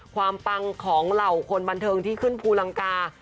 ปังของเหล่าคนบันเทิงที่ขึ้นภูลังกา